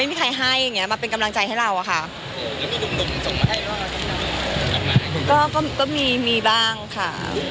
พี่เขาก็ส่งเราก็แลกกันค่ะ